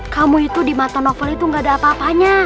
kamu itu di mata novel itu gak ada apa apanya